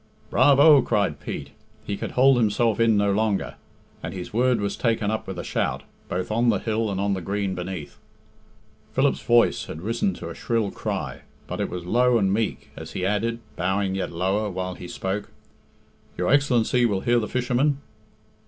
"Bravo!" cried Pete; he could hold himself in no longer, and his word was taken up with a shout, both on the hill and on the green beneath. Philip's voice had risen to a shrill cry, but it was low and meek as he added, bowing yet lower while he spoke "Your Excellency will hear the fishermen?"